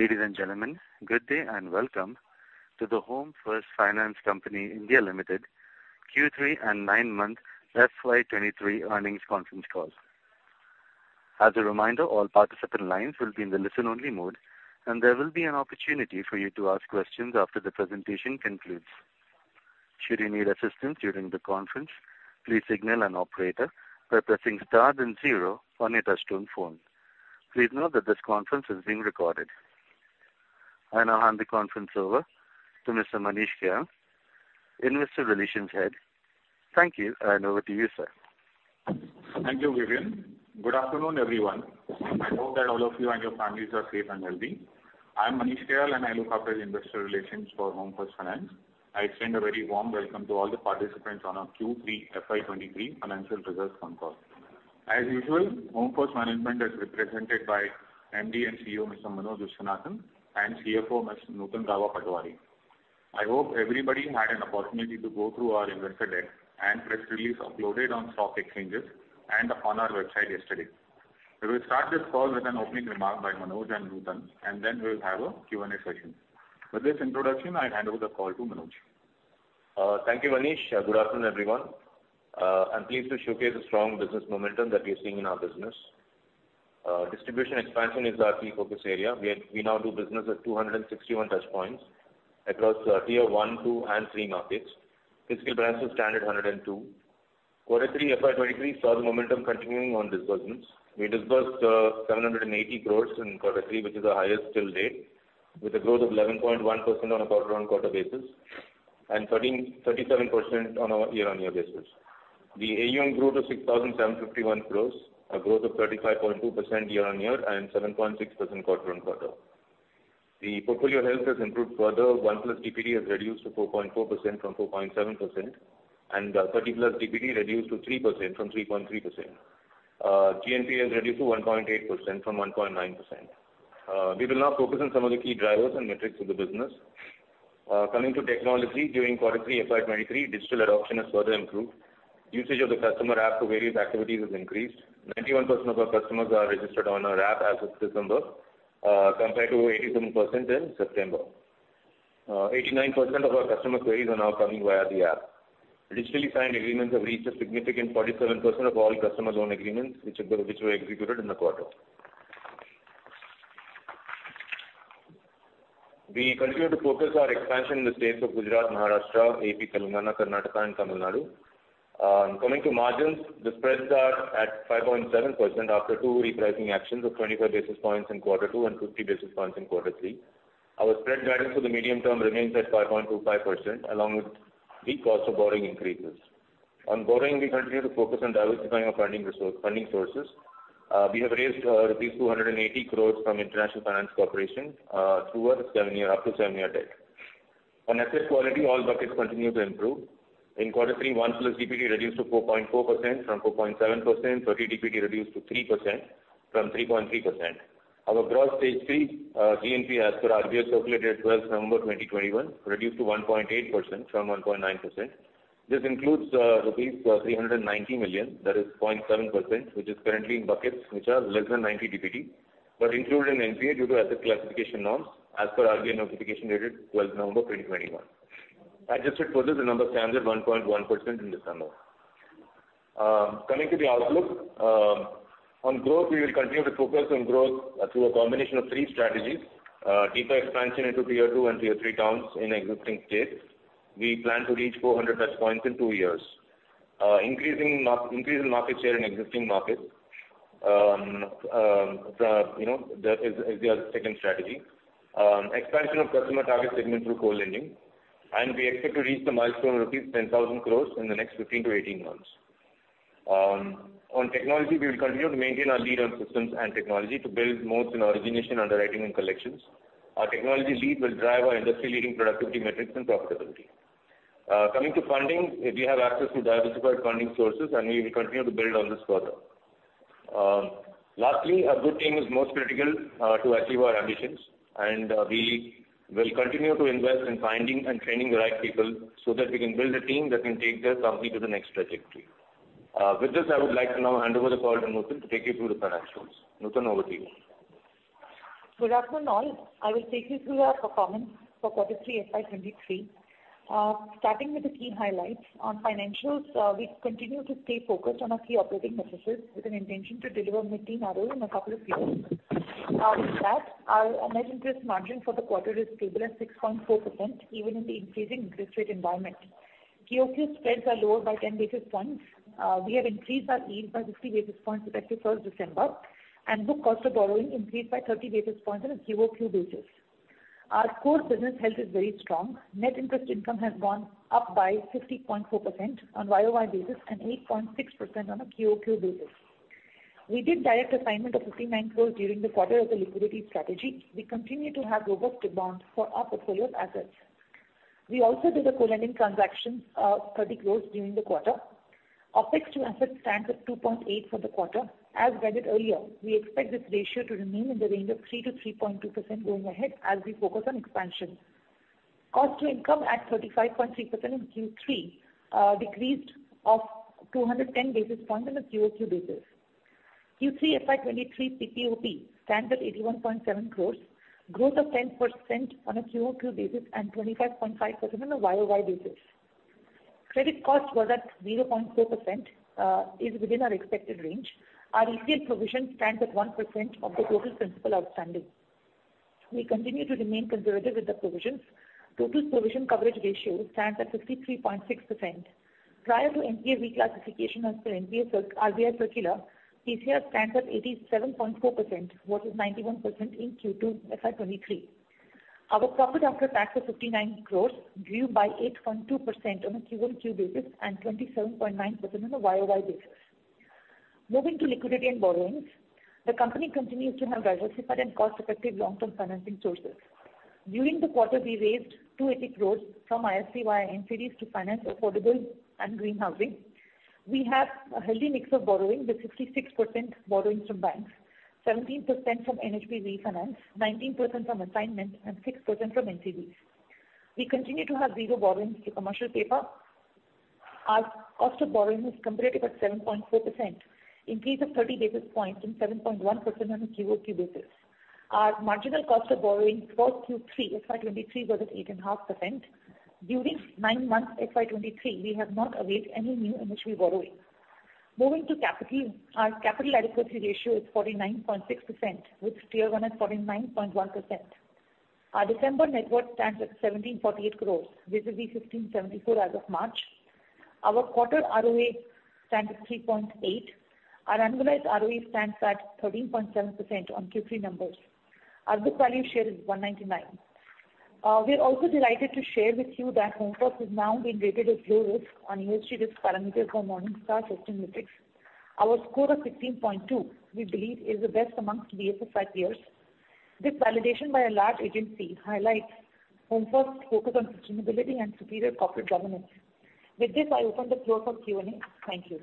Ladies and gentlemen, good day and welcome to the Home First Finance Company India Limited Q3 and nine month FY2023 earnings conference call. As a reminder, all participant lines will be in the listen-only mode, and there will be an opportunity for you to ask questions after the presentation concludes. Should you need assistance during the conference, please signal an operator by pressing star then zero on your touchtone phone. Please note that this conference is being recorded. I now hand the conference over to Mr. Manish Kayal, Investor Relations Head. Thank you, over to you, sir. Thank you, Vivian. Good afternoon, everyone. I hope that all of you and your families are safe and healthy. I'm Manish Kayal, and I look after Investor Relations for Home First Finance. I extend a very warm welcome to all the participants on our Q3 FY23 financial results conference call. As usual, Home First management is represented by MD and CEO, Mr. Manoj Viswanathan, and CFO, Ms. Nutan Gaba Patwari. I hope everybody had an opportunity to go through our investor deck and press release uploaded on stock exchanges and on our website yesterday. We will start this call with an opening remark by Manoj and Nutan, and then we'll have a Q&A session. With this introduction, I hand over the call to Manoj. Thank you, Manish. Good afternoon, everyone. I'm pleased to showcase the strong business momentum that we are seeing in our business. Distribution expansion is our key focus area. We now do business at 261 touchpoints across tier 1, 2, and 3 markets. Physical branches stand at 102. Q3 FY23 saw the momentum continuing on disbursements. We disbursed 780 crores in Q3, which is the highest till date, with a growth of 11.1% on a quarter-on-quarter basis and 37% on a year-on-year basis. The AUM grew to 6,751 crores, a growth of 35.2% year-on-year and 7.6% quarter-on-quarter. The portfolio health has improved further. 1-plus DPD has reduced to 4.4% from 4.7%. 30-plus DPD reduced to 3% from 3.3%. GNP has reduced to 1.8% from 1.9%. We will now focus on some of the key drivers and metrics of the business. Coming to technology, during Q3 FY23, digital adoption has further improved. Usage of the customer app for various activities has increased. 91% of our customers are registered on our app as of December, compared to 87% in September. 89% of our customer queries are now coming via the app. Digitally signed agreements have reached a significant 47% of all customer loan agreements which were executed in the quarter. We continue to focus our expansion in the states of Gujarat, Maharashtra, AP, Telangana, Karnataka, and Tamil Nadu. Coming to margins, the spreads are at 5.7% after two repricing actions of 25 basis points in Q2 and 50 basis points in Q3. Our spread guidance for the medium term remains at 5.25%, along with the cost of borrowing increases. On borrowing, we continue to focus on diversifying our funding sources. We have raised rupees 280 crore from International Finance Corporation through our seven-year, up to seven-year debt. On asset quality, all buckets continue to improve. In Q3, 1-plus DPD reduced to 4.4% from 4.7%. 30 DPD reduced to 3% from 3.3%. Our gross stage three GNP as per RBI circulated 12th November 2021, reduced to 1.8% from 1.9%. This includes rupees 390 million, that is 0.7%, which is currently in buckets which are less than 90 DPD, but included in NPA due to asset classification norms as per RBI notification dated 12th November 2021. Adjusted for this, the number stands at 1.1% in December. Coming to the outlook on growth, we will continue to focus on growth through a combination of three strategies. Deeper expansion into Tier 2 and Tier 3 towns in existing states. We plan to reach 400 touchpoints in two years. Increasing market share in existing markets, you know, is our second strategy. Expansion of customer target segment through co-lending, and we expect to reach the milestone of rupees 10,000 crores in the next 15 to 18 months. On technology, we will continue to maintain our lead on systems and technology to build moats in origination, underwriting, and collections. Our technology lead will drive our industry-leading productivity metrics and profitability. Coming to funding, we have access to diversified funding sources, and we will continue to build on this further. Lastly, a good team is most critical to achieve our ambitions, and we will continue to invest in finding and training the right people so that we can build a team that can take this company to the next trajectory. With this, I would like to now hand over the call to Nutan to take you through the financials. Nutan, over to you. Good afternoon, all. I will take you through our performance for Q3 FY23. Starting with the key highlights on financials, we continue to stay focused on our key operating metrics with an intention to deliver mid-teen ROE in a couple of years. With that, our net interest margin for the quarter is stable at 6.4%, even in the increasing interest rate environment. QoQ spreads are lower by 10 basis points. We have increased our yield by 50 basis points effective December 1, and book cost of borrowing increased by 30 basis points on a QoQ basis. Our core business health is very strong. Net interest income has gone up by 50.4% on YOY basis and 8.6% on a QoQ basis. We did direct assignment of 59 crores during the quarter as a liquidity strategy. We continue to have robust demand for our portfolio of assets. We also did a co-lending transaction of 30 crores during the quarter. OPEX to assets stands at 2.8 for the quarter. As guided earlier, we expect this ratio to remain in the range of 3%-3.2% going ahead as we focus on expansion. Cost to income at 35.3% in Q3, decreased of 210 basis points on a QOQ basis. Q3 FY23 PPOP stands at 81.7 crores, growth of 10% on a QOQ basis and 25.5% on a YOY basis. Credit cost was at 0.4%, is within our expected range. Our ECL provision stands at 1% of the total principal outstanding. We continue to remain conservative with the provisions. Total provision coverage ratio stands at 63.6%. Prior to NPA reclassification as per RBI circular, PCR stands at 87.4%, versus 91% in Q2 FY23. Our profit after tax was 59 crores, grew by 8.2% on a QOQ basis and 27.9% on a YOY basis. Moving to liquidity and borrowings. The company continues to have diversified and cost-effective long-term financing sources. During the quarter, we raised 280 crores from IFC via NCDs to finance affordable and green housing. We have a healthy mix of borrowing with 66% borrowings from banks, 17% from NHB refinance, 19% from assignment and 6% from NCDs. We continue to have zero borrowings to commercial paper. Our cost of borrowing is competitive at 7.4%, increase of 30 basis points from 7.1% on a QOQ basis. Our marginal cost of borrowing for Q3 FY23 was at 8.5%. During nine months FY23, we have not availed any new initial borrowing. Moving to capital. Our capital adequacy ratio is 49.6% with Tier 1 at 49.1%. Our December net worth stands at 1,748 crore versus 1,574 as of March. Our quarter ROA stands at 3.8%. Our annualized ROE stands at 13.7% on Q3 numbers. Our book value share is 199. We are also delighted to share with you that HomeFirst is now being rated as low risk on ESG risk parameters for Morningstar Sustainalytics. Our score of 16.2, we believe is the best amongst BFSI peers. This validation by a large agency highlights HomeFirst focus on sustainability and superior corporate governance. With this, I open the floor for Q&A. Thank you.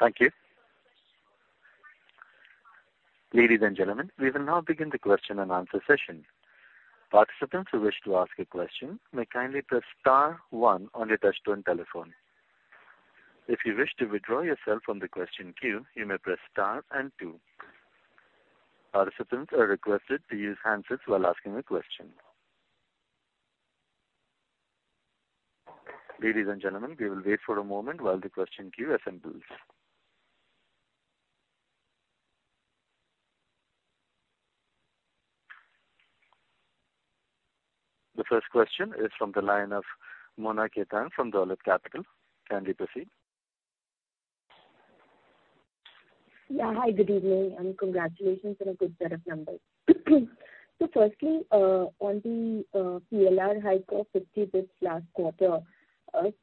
Thank you. Ladies and gentlemen, we will now begin the question and answer session. Participants who wish to ask a question may kindly press star one on your touchtone telephone. If you wish to withdraw yourself from the question queue, you may press star and two. Participants are requested to use handsets while asking a question. Ladies and gentlemen, we will wait for a moment while the question queue assembles. The first question is from the line of Mona Khetan from Dolat Capital. Kindly proceed. Yeah. Hi, good evening. Congratulations on a good set of numbers. Firstly, on the PLR hike of 50 basis point last quarter. Is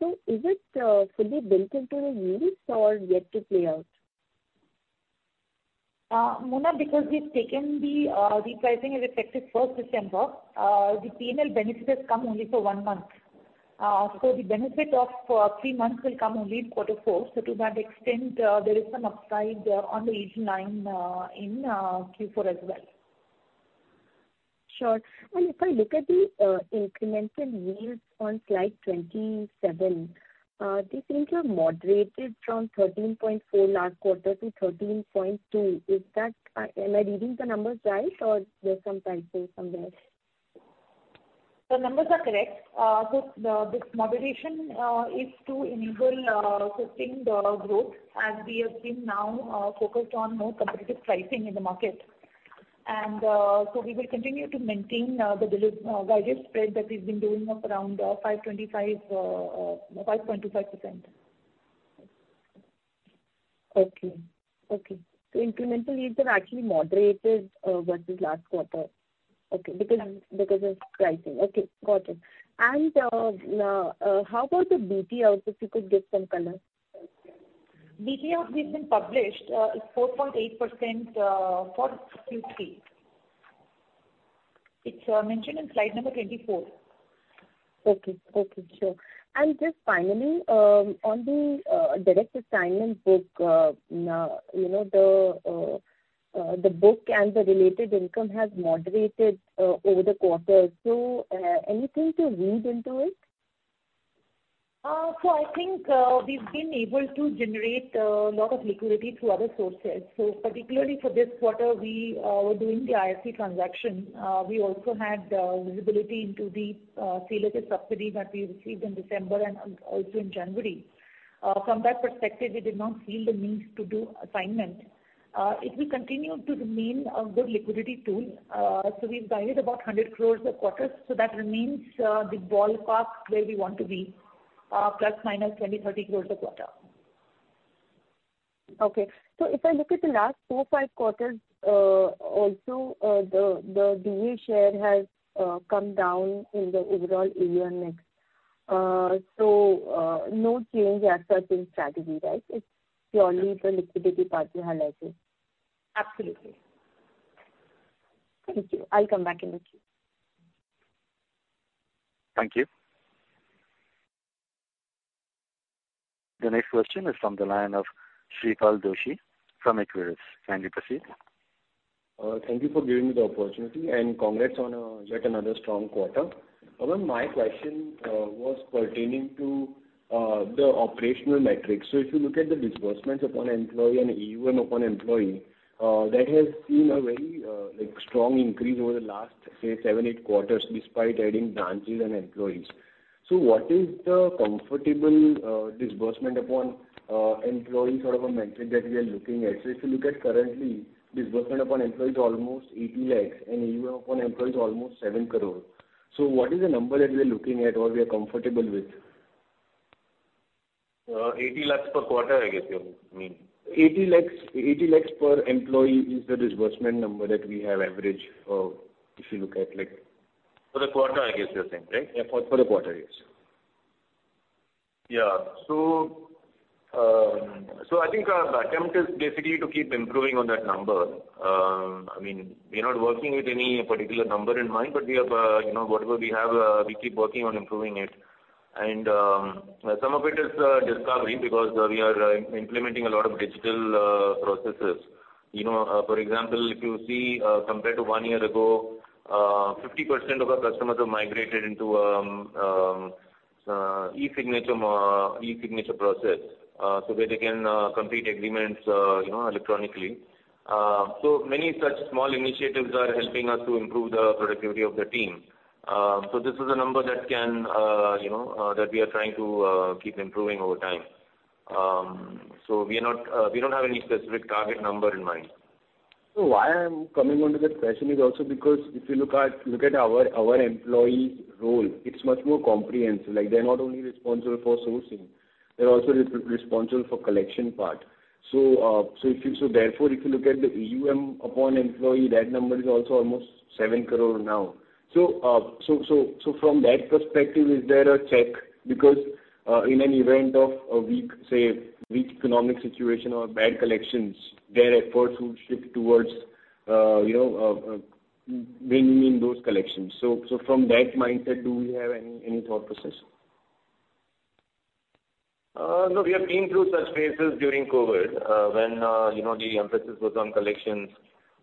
it fully built into the yields or yet to play out? Mona because we've taken the repricing effective 1st of September, the PNL benefit has come only for one month. The benefit of three months will come only in quarter four. To that extent, there is some upside on the yield line in Q4 as well. Sure. If I look at the incremental yields on slide 27, they seem to have moderated from 13.4% last quarter to 13.2%. Is that, am I reading the numbers right or there's some typo somewhere? The numbers are correct. This moderation is to enable sustained growth as we have been now focused on more competitive pricing in the market. We will continue to maintain the guided spread that we've been doing of around 525, no 5.25%. Okay. Okay. Incremental yields have actually moderated versus last quarter. Okay. Yes. Because of pricing. Okay. Got it. How about the BTLs, if you could give some color? BTLs we've been published, is 4.8% for Q3. It's mentioned in slide number 24. Okay. Okay. Sure. Just finally, on the direct assignment book, you know the book and the related income has moderated over the quarter. Anything to read into it? I think we've been able to generate a lot of liquidity through other sources. Particularly for this quarter we were doing the IFC transaction. We also had visibility into the CLSS subsidy that we received in December and also in January. From that perspective, we did not feel the need to do assignment. It will continue to remain a good liquidity tool. We've guided about 100 crores a quarter. That remains the ballpark where we want to be plus minus 20, 30 crores a quarter. Okay. If I look at the last four, five quarters, also, the Borrowings share has come down in the overall ALM mix. No change as such in strategy, right? It's purely the liquidity part you highlighted. Absolutely. Thank you. I'll come back in the queue. Thank you. The next question is from the line of Shreepal Doshi from Equirus. Kindly proceed. Thank you for giving me the opportunity, congrats on yet another strong quarter. Pavan, my question was pertaining to the operational metrics. If you look at the disbursements upon employee and AUM upon employee, that has seen a very like strong increase over the last, say, seven, eight quarters despite adding branches and employees. What is the comfortable disbursement upon employee sort of a metric that we are looking at? If you look at currently disbursement upon employee is almost 80 lakhs and AUM upon employee is almost 7 crore. What is the number that we are looking at or we are comfortable with? 80 lakhs per quarter, I guess you mean. 80 lakhs per employee is the disbursement number that we have averaged, if you look at. For the quarter, I guess you're saying, right? Yeah, for the quarter, yes. Yeah. I think our attempt is basically to keep improving on that number. I mean, we are not working with any particular number in mind, but we have, you know, whatever we have, we keep working on improving it. Some of it is discovery because we are implementing a lot of digital processes. You know, for example, if you see, compared to one year ago, 50% of our customers have migrated into e-signature process, so that they can complete agreements, you know, electronically. Many such small initiatives are helping us to improve the productivity of the team. This is a number that can, you know, that we are trying to keep improving over time. We are not, we don't have any specific target number in mind. Why I'm coming onto that question is also because if you look at our employees' role, it's much more comprehensive. Like, they're not only responsible for sourcing, they're also responsible for collection part. Therefore, if you look at the AUM upon employee, that number is also almost 7 crore now. From that perspective, is there a check? In an event of a weak economic situation or bad collections, their efforts would shift towards, you know, bringing in those collections. From that mindset, do we have any thought process? No. We have been through such phases during COVID, when, you know, the emphasis was on collections.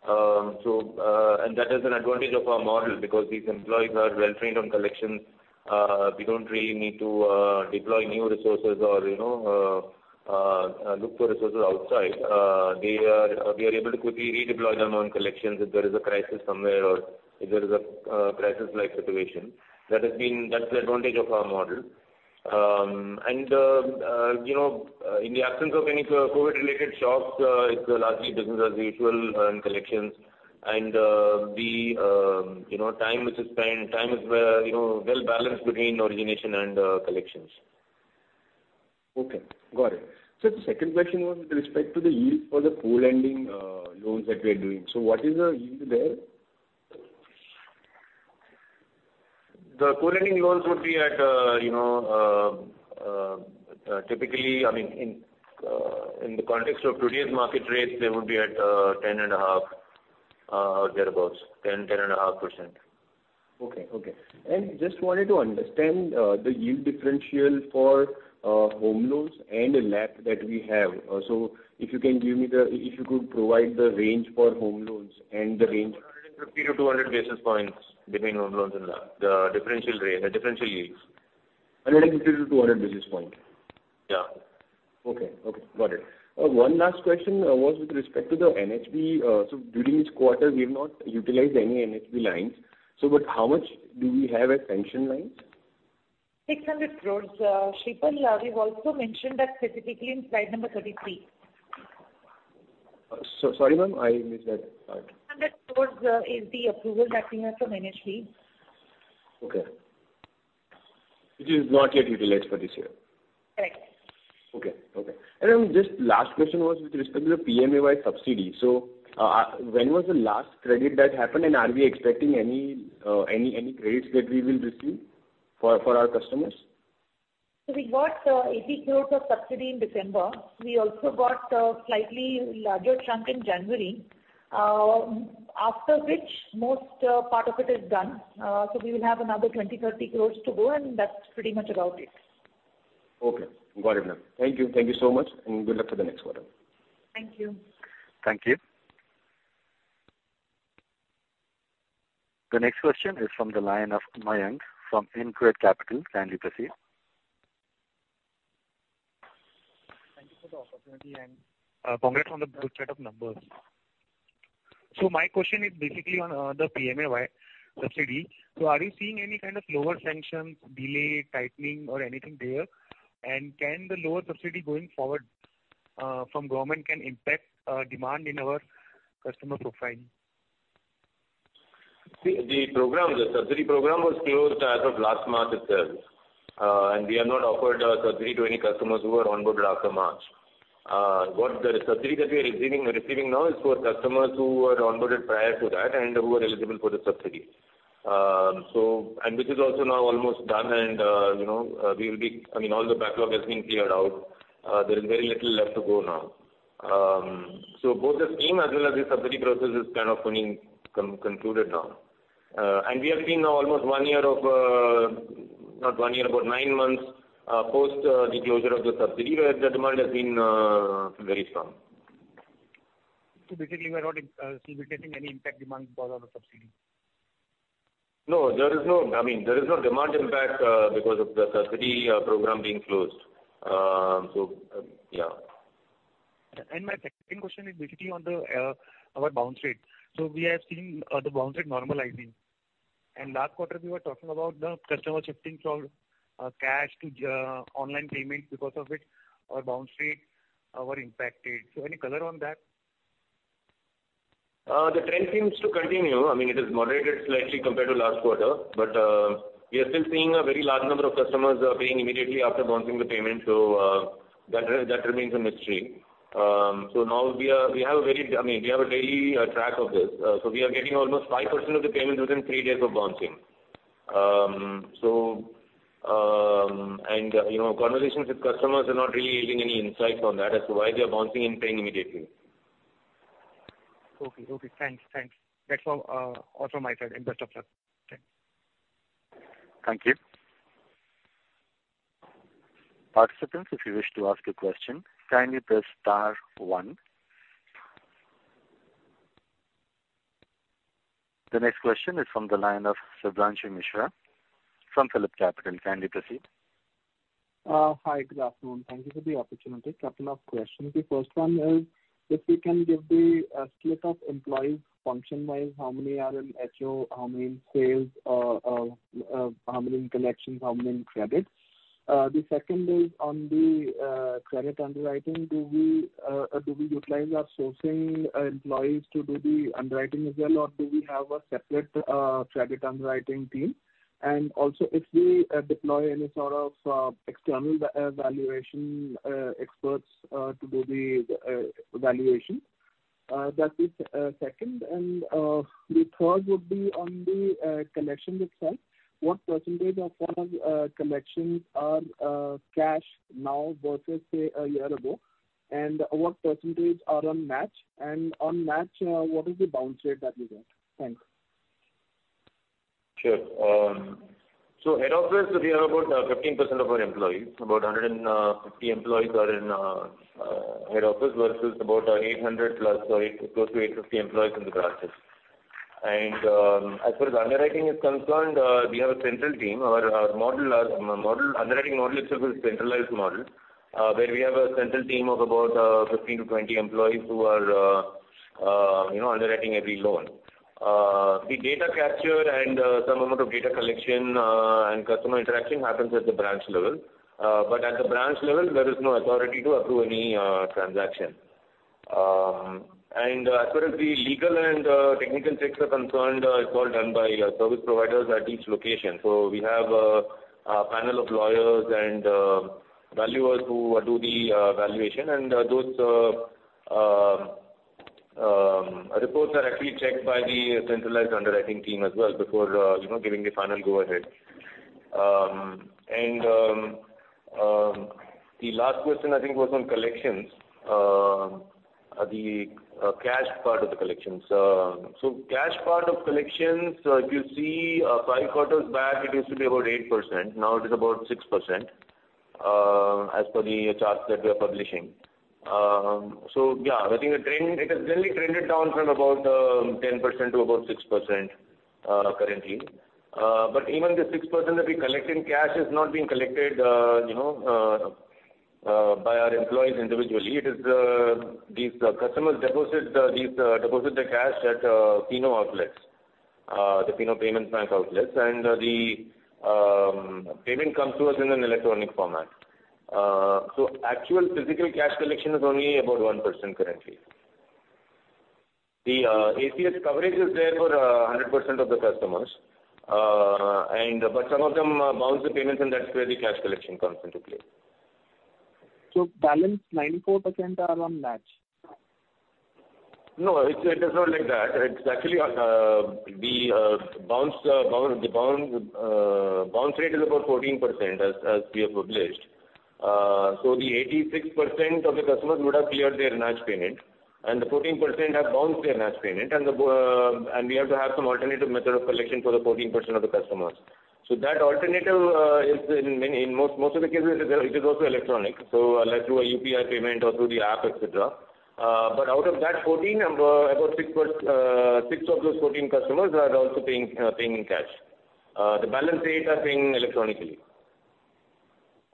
That is an advantage of our model because these employees are well-trained on collections. We don't really need to deploy new resources or, you know, look for resources outside. They are able to quickly redeploy them on collections if there is a crisis somewhere or if there is a crisis-like situation. That's the advantage of our model. You know, in the absence of any COVID-related shocks, it's largely business as usual in collections. The, you know, time which is spent, time is, you know, well balanced between origination and collections. Okay. Got it. The second question was with respect to the yield for the pool lending, loans that we are doing. What is the yield there? The pool lending loans would be at, you know, typically, I mean, in the context of today's market rates, they would be at, 10.5, or thereabouts, 10.5%. Okay. Okay. Just wanted to understand the yield differential for home loans and the LAP that we have. If you could provide the range for home loans and the range. 150-200 basis points between home loans and LAP, the differential yields. 150-200 basis point. Yeah. Okay. Okay. Got it. One last question, was with respect to the NHB. During this quarter, we have not utilized any NHB lines, how much do we have as sanction lines? 600 crores. Shreepal, we've also mentioned that specifically in slide number 33. Sorry, ma'am, I missed that part. INR 600 crores is the approval that we have from NHB. Okay. Which is not yet utilized for this year. Correct. Okay. Okay. Just last question was with respect to the PMAY subsidy. When was the last credit that happened, and are we expecting any credits that we will receive for our customers? We got 80 crores of subsidy in December. We also got a slightly larger chunk in January, after which most part of it is done. We will have another 20-30 crores to go, and that's pretty much about it. Okay. Got it, ma'am. Thank you. Thank you so much, and good luck for the next quarter. Thank you. Thank you. The next question is from the line of Mayank from InCred Capital. Kindly proceed. Thank you for the opportunity, and congrats on the good set of numbers. My question is basically on the PMAY subsidy. Are you seeing any kind of lower sanctions, delay, tightening or anything there? Can the lower subsidy going forward from government impact demand in our customer profile? See, the program, the subsidy program was closed as of last March itself. We have not offered a subsidy to any customers who were onboarded after March. What the subsidy that we are receiving now is for customers who were onboarded prior to that and who are eligible for the subsidy. This is also now almost done and, you know, I mean, all the backlog has been cleared out. There is very little left to go now. Both the scheme as well as the subsidy process is kind of coming concluded now. We have been now almost one year of, not one year, about nine months, post the closure of the subsidy, where the demand has been very strong. Basically, we're not still getting any impact demand because of the subsidy? No, there is no, I mean, there is no demand impact, because of the subsidy, program being closed. Yeah. My second question is basically on the our bounce rate. We are seeing the bounce rate normalizing, and last quarter we were talking about the customer shifting from cash to online payment because of which our bounce rate were impacted. Any color on that? The trend seems to continue. I mean, it is moderated slightly compared to last quarter, but we are still seeing a very large number of customers paying immediately after bouncing the payment. That remains a mystery. Now we have a very, I mean, we have a daily track of this. We are getting almost 5% of the payments within three days of bouncing. You know, conversations with customers are not really yielding any insight on that as to why they are bouncing and paying immediately. Okay. Okay. Thanks. Thanks. That's all from my side. End of questions. Thanks. Thank you. Participants, if you wish to ask a question, kindly press star one. The next question is from the line of Shubhranshu Mishra from PhillipCapital. Kindly proceed. Hi, good afternoon. Thank you for the opportunity. Couple of questions. The first one is if you can give the split of employees function-wise, how many are in HO, how many in sales, how many in collections, how many in credit? The second is on the credit underwriting. Do we utilize our sourcing employees to do the underwriting as well, or do we have a separate credit underwriting team? Also if we deploy any sort of external evaluation experts to do the evaluation. That is second and the third would be on the collections itself. What percentage of total collections are cash now versus, say, a year ago? What percentage are on NACH? On NACH, what is the bounce rate that we get? Thanks. Sure. Head office will be about 15% of our employees. About 150 employees are in head office versus about 800+ or close to 850 employees in the branches. As far as underwriting is concerned, we have a central team. Our underwriting model itself is centralized model, where we have a central team of about 15-20 employees who are, you know, underwriting every loan. The data capture and some amount of data collection and customer interaction happens at the branch level. At the branch level, there is no authority to approve any transaction. As far as the legal and technical checks are concerned, it's all done by service providers at each location. We have a panel of lawyers and valuers who will do the valuation and those reports are actually checked by the centralized underwriting team as well before, you know, giving the final go ahead. The last question I think was on collections. The cash part of the collections. Cash part of collections, if you see, five quarters back, it used to be about 8%. Now it is about 6%, as per the charts that we are publishing. Yeah, I think the trend, it has generally trended down from about 10% to about 6% currently. Even the 6% that we collect in cash is not being collected, you know, by our employees individually. It is, these customers deposit, these, deposit the cash at Fino outlets, the Fino Payments Bank outlets, and the payment comes to us in an electronic format. Actual physical cash collection is only about 1% currently. The ACS coverage is there for 100% of the customers. Some of them bounce the payments, and that's where the cash collection comes into play. Balance 94% are on NACH? No, it's not like that. It's actually, the bounce rate is about 14% as we have published. The 86% of the customers would have cleared their NACH payment and the 14% have bounced their NACH payment. We have to have some alternative method of collection for the 14% of the customers. That alternative is in many, in most of the cases it is also electronic, like through a UPI payment or through the app, et cetera. Out of that 14, about six of those 14 customers are also paying in cash. The balance eight are paying electronically.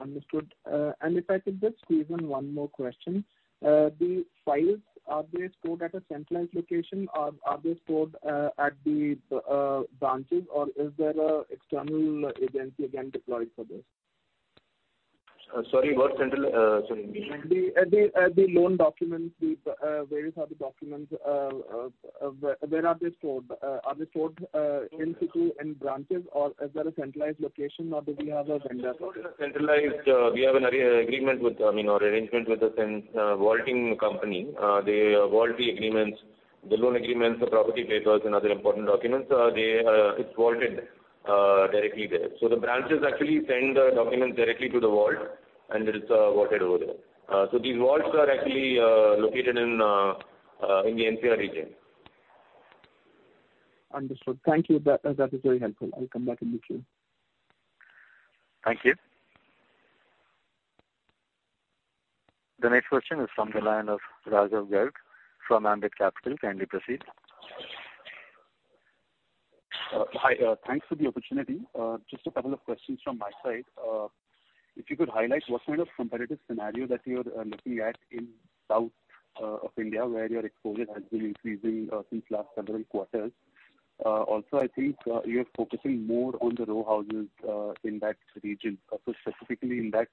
Understood. If I could just squeeze in one more question. The files, are they stored at a centralized location? Are they stored at the branches, or is there an external agency again deployed for this? Sorry, what central, sorry? The loan documents, the various other documents, where are they stored? Are they stored in situ in branches, or is there a centralized location, or do we have a vendor? Stored in a centralized, we have an agreement with, I mean, or arrangement with the vaulting company. They vault the agreements, the loan agreements, the property papers and other important documents. They, it's vaulted directly there. The branches actually send the documents directly to the vault. And it's vaulted over there. These vaults are actually located in the NCR region. Understood. Thank you. That is very helpful. I'll come back in the queue. Thank you. The next question is from the line of Raghav Garg from Ambit Capital. Kindly proceed. Hi. Thanks for the opportunity. Just a couple of questions from my side. If you could highlight what kind of competitive scenario that you're looking at in South of India where your exposure has been increasing since last several quarters. Also I think you're focusing more on the row houses in that region. Specifically in that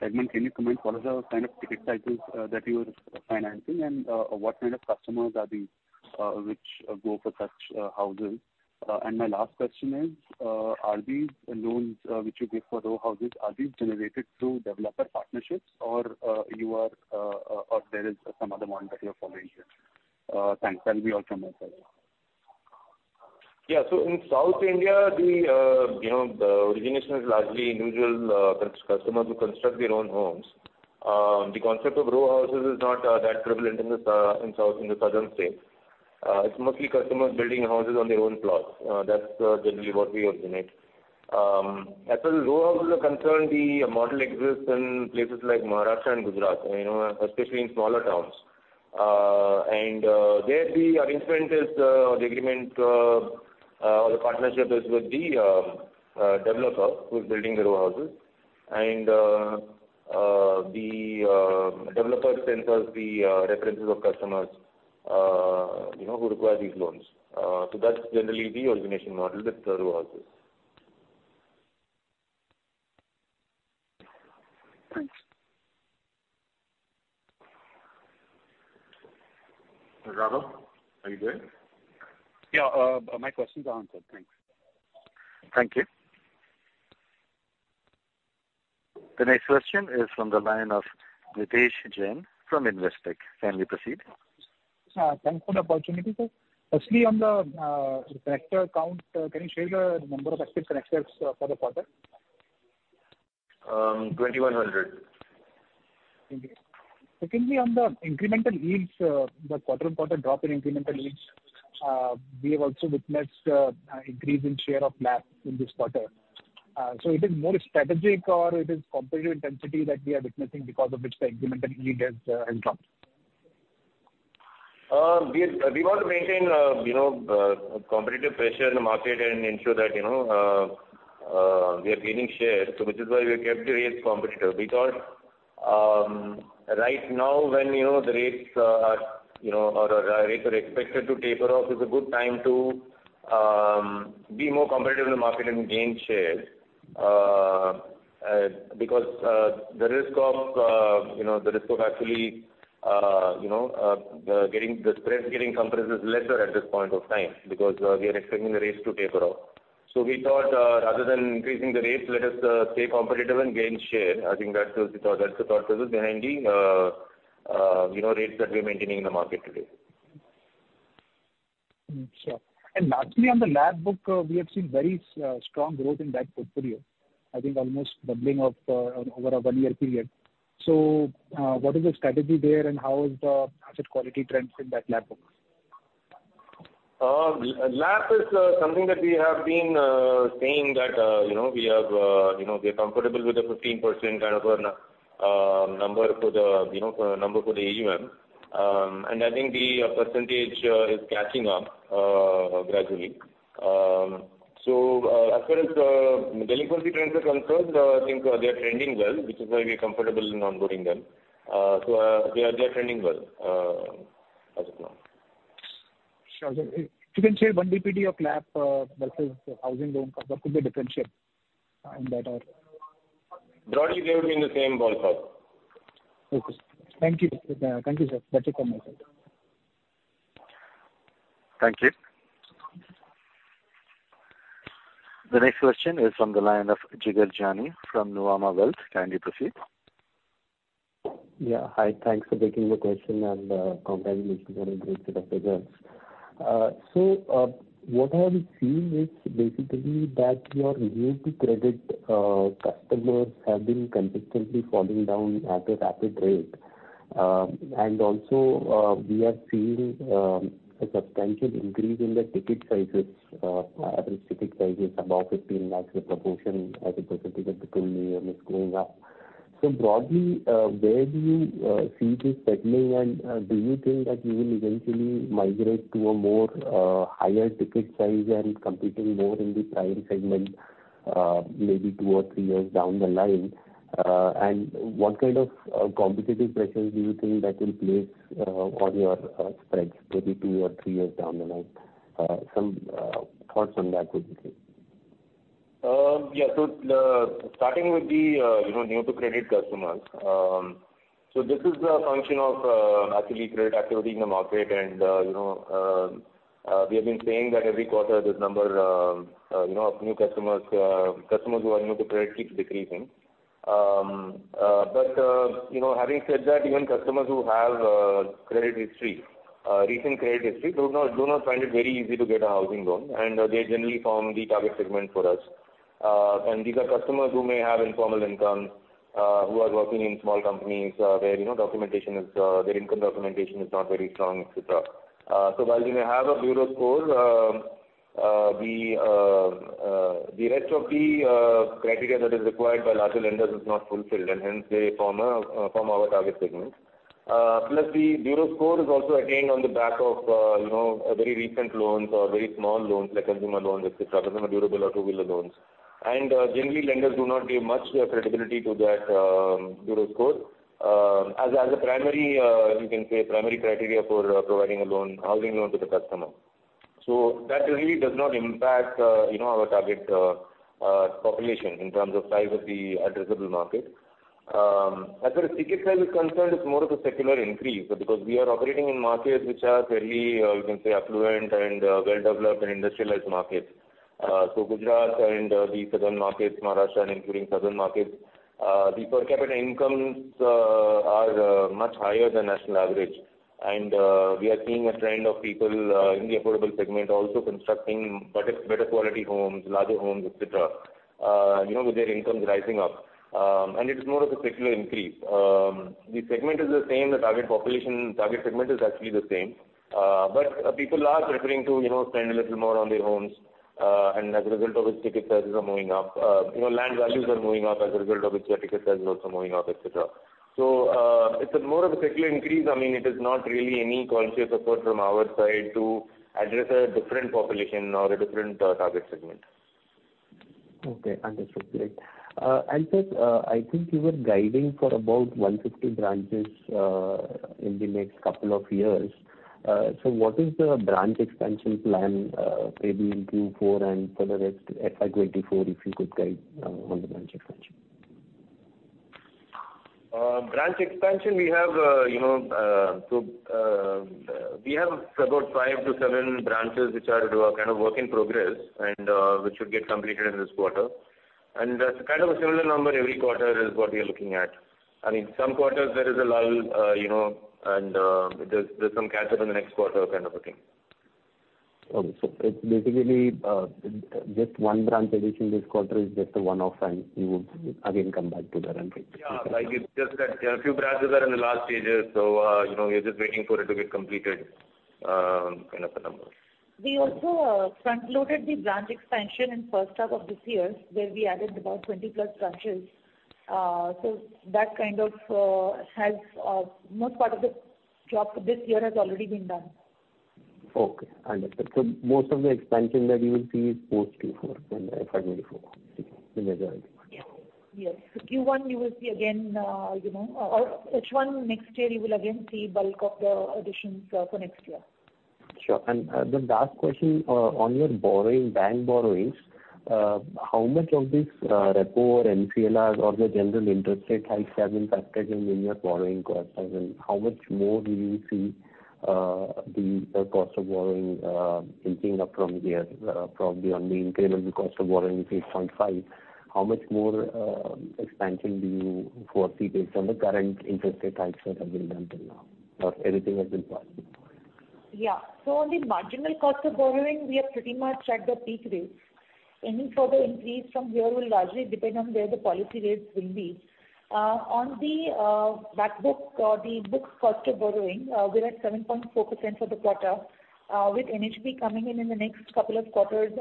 segment, can you comment what are the kind of ticket sizes that you are financing and what kind of customers are these which go for such houses? My last question is, are these loans which you give for row houses, are these generated through developer partnerships or you are or there is some other model that you're following here? Thanks. That'll be all from my side. Yeah. In South India, you know, the origination is largely individual customers who construct their own homes. The concept of row houses is not that prevalent in South, in the southern states. It's mostly customers building houses on their own plots. That's generally what we originate. As far as row houses are concerned, the model exists in places like Maharashtra and Gujarat, you know, especially in smaller towns. And there the arrangement is or the agreement or the partnership is with the developer who's building the row houses and the developer sends us the references of customers, you know, who require these loans. That's generally the origination model with row houses. Thanks. Raghav, are you there? Yeah. My question's answered. Thanks. Thank you. The next question is from the line of Nidhesh Jain from Investec. Kindly proceed. Thanks for the opportunity, sir. Firstly, on the connector count, can you share the number of active connectors for the quarter? INR 2,100. Thank you. Secondly, on the incremental yields, the quarter-on-quarter drop in incremental yields, we have also witnessed an increase in share of LAP in this quarter. It is more strategic or it is competitive intensity that we are witnessing because of which the incremental yield has dropped? We want to maintain, you know, competitive pressure in the market and ensure that, you know, we are gaining share. Which is why we have kept the rates competitive because, right now when, you know, the rates are, you know, rates are expected to taper off, it's a good time to be more competitive in the market and gain share because the risk of, you know, the risk of actually, you know, the spreads getting compressed is lesser at this point of time because we are expecting the rates to taper off. We thought, rather than increasing the rates, let us stay competitive and gain share. I think that's the thought process behind the, you know, rates that we are maintaining in the market today. Sure. Lastly, on the LAP book, we have seen very strong growth in that portfolio. I think almost doubling of over a one-year period. What is the strategy there and how is the asset quality trends in that LAP book? LAP is something that we have been saying that, you know, we have, you know, we are comfortable with the 15% kind of number for the AUM. I think the percentage is catching up gradually. As far as delinquency trends are concerned, I think they are trending well, which is why we are comfortable in onboarding them. They are trending well as of now. Sure. If you can share 1 basis point of LAP versus housing loan portfolio could be differentiated in that or? Broadly they would be in the same ballpark. Okay. Thank you. Thank you, sir. That's it from my side. Thank you. The next question is from the line of Jigar Jani from Nuvama Wealth. Kindly proceed. Yeah. Hi. Thanks for taking the question and congratulations on a great set of results. What I have seen is basically that your new to credit customers have been consistently falling down at a rapid rate. Also, we are seeing a substantial increase in the ticket sizes, ticket sizes above 15 lakhs. The proportion as a percentage of the total AUM is going up. Broadly, where do you see this segment and do you think that you will eventually migrate to a more higher ticket size and competing more in the prime segment, maybe two or three years down the line? What kind of competitive pressures do you think that will place on your spreads maybe two or three years down the line? Some thoughts on that would be great. Yeah. Starting with the, you know, new to credit customers. This is a function of, actually credit activity in the market and, you know, we have been saying that every quarter this number, you know, of new customers who are new to credit keeps decreasing. You know, having said that, even customers who have credit history, recent credit history do not find it very easy to get a housing loan, and they generally form the target segment for us. These are customers who may have informal income, who are working in small companies, where, you know, documentation is, their income documentation is not very strong, et cetera. While they may have a bureau score, the rest of the criteria that is required by larger lenders is not fulfilled, and hence they form our target segment. The bureau score is also attained on the back of, you know, very recent loans or very small loans like consumer loans, et cetera, consumer durable or two-wheeler loans. Generally lenders do not give much credibility to that bureau score as a primary, you can say, primary criteria for providing a loan, housing loan to the customer. That really does not impact, you know, our target population in terms of size of the addressable market. As far as ticket size is concerned, it's more of a secular increase because we are operating in markets which are fairly, you can say affluent and well-developed and industrialized markets. Gujarat and the southern markets, Maharashtra and including southern markets, the per capita incomes are much higher than national average. We are seeing a trend of people in the affordable segment also constructing better quality homes, larger homes, et cetera, you know, with their incomes rising up. It's more of a secular increase. The segment is the same. The target population, target segment is actually the same. People are preferring to, you know, spend a little more on their homes, and as a result of which ticket sizes are moving up. You know, land values are moving up as a result of which their ticket size is also moving up, et cetera. It's a more of a secular increase. I mean, it is not really any conscious effort from our side to address a different population or a different target segment. Okay, understood. Great. Anshul, I think you were guiding for about 150 branches in the next couple of years. What is the branch expansion plan, maybe in Q4 and for the rest FY 2024, if you could guide on the branch expansion? Branch expansion we have, you know, so, we have about five to seven branches which are kind of work in progress and which should get completed in this quarter. That's kind of a similar number every quarter is what we are looking at. I mean, some quarters there is a lull, you know, and there's some catch up in the next quarter kind of a thing. Okay. It's basically, just one branch addition this quarter is just a one-off and you would again come back to the run rate. Yeah. Like it's just that a few branches are in the last stages, so, you know, we're just waiting for it to get completed, kind of a number. We also front-loaded the branch expansion in H1 of this year where we added about 20+ branches. That kind of helps most part of the job this year has already been done. Okay, understood. Most of the expansion that you will see is post Q4 and FY 2024. Yes. Yes. Q1 you will see again, you know, or H1 next year you will again see bulk of the additions, for next year. Sure. The last question, on your borrowing, bank borrowings, how much of this, repo or MCLR or the general interest rate hikes have impacted in your borrowing costs? I mean, how much more do you see, the, cost of borrowing, inching up from here? Probably on the incremental cost of borrowing is 0.5. How much more, expansion do you foresee based on the current interest rate hikes that have been done till now or anything that will follow? On the marginal cost of borrowing, we are pretty much at the peak rates. Any further increase from here will largely depend on where the policy rates will be. On the back book or the book cost of borrowing, we're at 7.4% for the quarter, with NHB coming in in the next couple of quarters.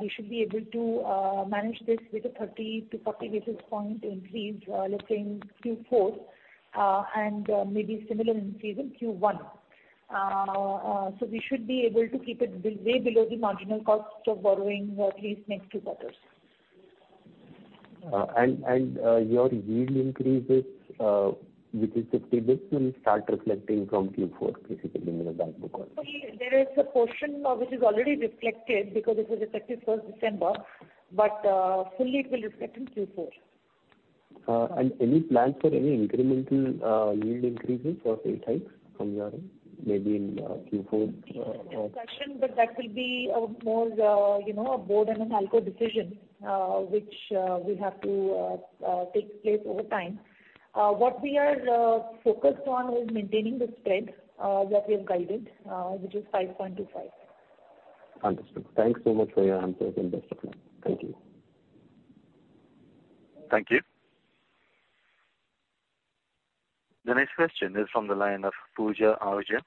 We should be able to manage this with a 30 to 40 basis point increase, let's say in Q4, and maybe similar increase in Q1. We should be able to keep it way below the marginal cost of borrowing for at least next two quarters. Your yield increases, which is 50 basis will start reflecting from Q4 basically in the back book also. There is a portion which is already reflected because it was effective first December, but fully it will reflect in Q4. Any plans for any incremental yield increases for sale types from your end, maybe in Q4? Discussion, that will be a more, you know, a board and a ALCO decision, which we have to take place over time. What we are focused on is maintaining the spread that we have guided, which is 5.25. Understood. Thanks so much for your answers and best of luck. Thank you. Thank you. The next question is from the line of Pooja Ahuja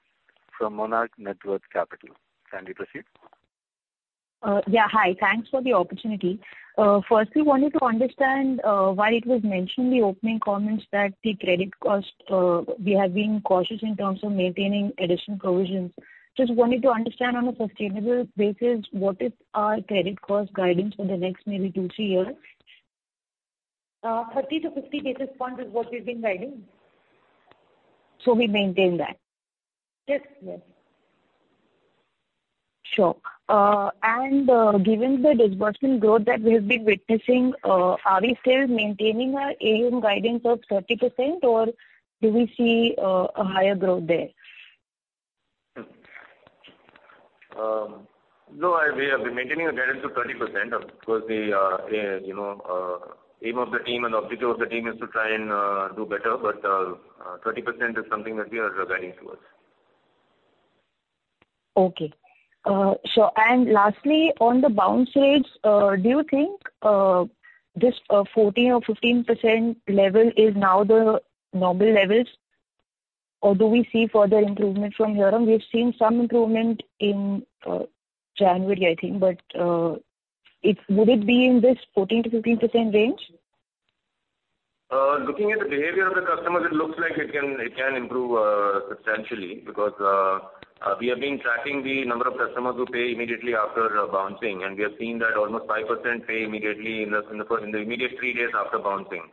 from Monarch Networth Capital. Kindly proceed. Yeah, hi. Thanks for the opportunity. First we wanted to understand why it was mentioned in the opening comments that the credit cost, we have been cautious in terms of maintaining additional provisions. Just wanted to understand on a sustainable basis, what is our credit cost guidance for the next maybe two, three years? 30-50 basis points is what we've been guiding. We maintain that? Yes. Yes. Sure. Given the disbursement growth that we have been witnessing, are we still maintaining our AUM guidance of 30% or do we see a higher growth there? No, we have been maintaining a guidance of 30%. We are, you know, aim of the team and objective of the team is to try and do better, 30% is something that we are guiding towards. Okay. sure. On the bounce rates, do you think this 14% or 15% level is now the normal levels or do we see further improvement from here on? We've seen some improvement in January, I think. Would it be in this 14%-15% range? Looking at the behavior of the customers, it looks like it can improve substantially because we have been tracking the number of customers who pay immediately after bouncing, and we have seen that almost 5% pay immediately in the first, in the immediate three days after bouncing.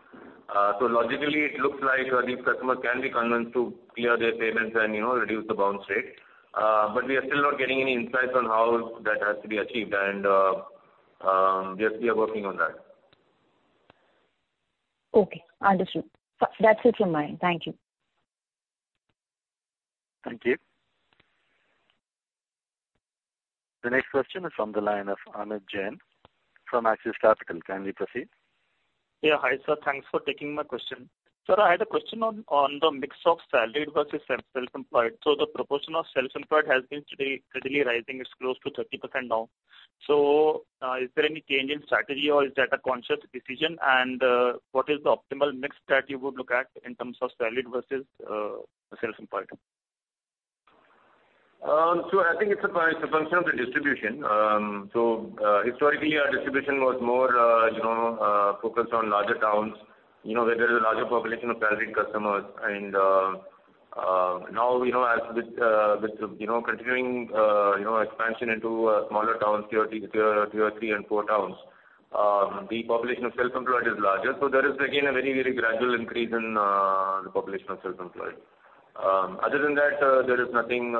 Logically, it looks like these customers can be convinced to clear their payments and, you know, reduce the bounce rate. But we are still not getting any insights on how that has to be achieved and, yes, we are working on that. Okay. Understood. That's it from my end. Thank you. Thank you. The next question is from the line of Amit Jain from Axis Capital. Can we proceed? Yeah. Hi, sir. Thanks for taking my question. Sir, I had a question on the mix of salaried versus self-employed. The proportion of self-employed has been today steadily rising. It's close to 30% now. Is there any change in strategy or is that a conscious decision? What is the optimal mix that you would look at in terms of salaried versus self-employed? I think it's a function of the distribution. Historically our distribution was more, you know, focused on larger towns, you know, where there is a larger population of salaried customers and, now, you know, as with, you know, continuing, you know, expansion into, smaller towns, tier 3, tier 3 and 4 towns, the population of self-employed is larger. There is again a very, very gradual increase in the population of self-employed. Other than that, there is nothing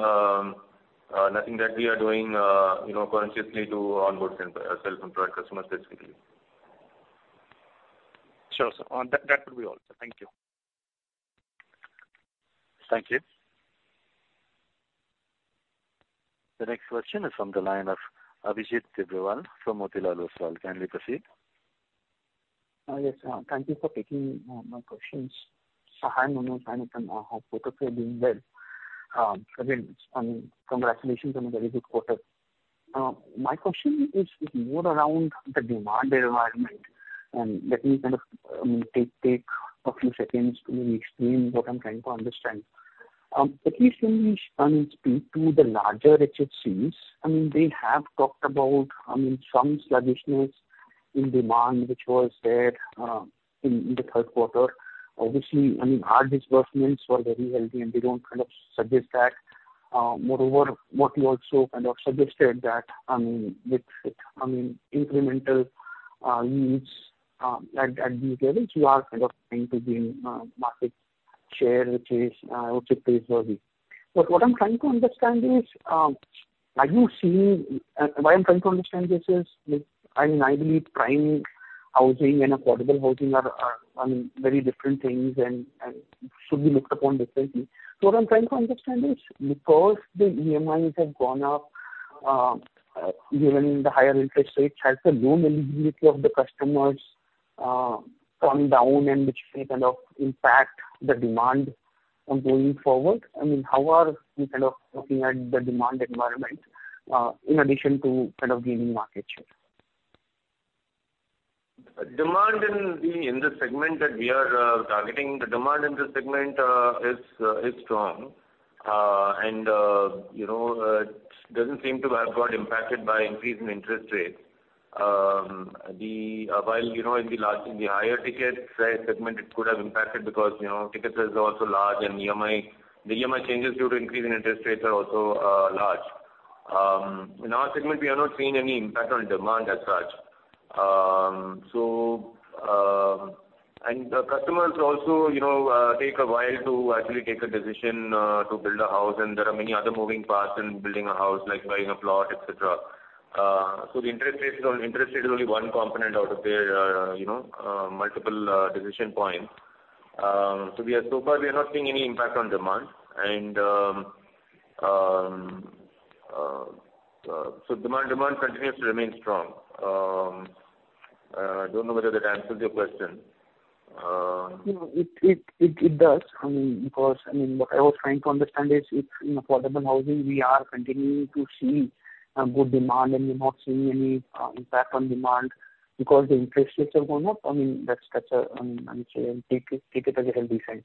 that we are doing, you know, consciously to onboard self-employed customers specifically. Sure, sir. On that would be all. Thank you. Thank you. The next question is from the line of Abhijit Tibrewal from Motilal Oswal. Can we proceed? Yes. Thank you for taking my questions. Hi, Manoj and Nuten. I hope both of you are doing well. First, congratulations on a very good quarter. My question is more around the demand environment and let me kind of take a few seconds to explain what I'm trying to understand. At least when we speak to the larger HFCs, I mean, they have talked about, I mean, some sluggishness in demand which was there in the Q3. Obviously, I mean, our disbursements were very healthy, and they don't kind of suggest that. Moreover, what you also kind of suggested that, I mean, with, I mean, incremental needs at these levels, you are kind of trying to gain market share, which is praiseworthy. What I'm trying to understand is, are you seeing why I'm trying to understand this is, like, I mean, I believe prime housing and affordable housing are, I mean, very different things and should be looked upon differently. What I'm trying to understand is because the EMIs have gone up, given the higher interest rates, has the loan eligibility of the customers come down and which may kind of impact the demand going forward? I mean, how are you kind of looking at the demand environment, in addition to kind of gaining market share? Demand in the segment that we are targeting, the demand in this segment is strong. You know, doesn't seem to have got impacted by increase in interest rates. The, while, you know, in the higher ticket size segment, it could have impacted because, you know, ticket size is also large and EMI, the EMI changes due to increase in interest rates are also large. In our segment we are not seeing any impact on demand as such. And the customers also, you know, take a while to actually take a decision to build a house and there are many other moving parts in building a house like buying a plot, et cetera. The interest rates, interest rate is only one component out of their, you know, multiple decision points. We are, so far we are not seeing any impact on demand and demand continues to remain strong. I don't know whether that answers your question. No, it does. I mean, because I mean, what I was trying to understand is if in affordable housing we are continuing to see a good demand and we're not seeing any impact on demand because the interest rates have gone up. I mean, that's a I would say take it as a healthy sign.